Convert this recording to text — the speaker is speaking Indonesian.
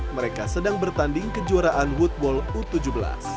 mereka sedang bertanding kejuaraan wood bowl u tujuh belas